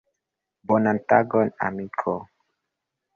Bonan tagon, amiko.